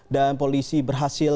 dan polisi berhasil